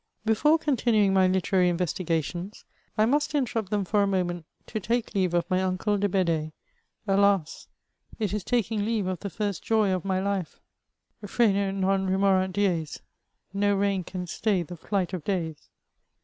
Befobe continuing my literary inyestig^tions, I must in terrupt them for a moment to take leave of my uncle de £ed6e : alas I it is taking leave of the first joy of my fife : frano non remorant dies —^^ no rein can stay the flight of days."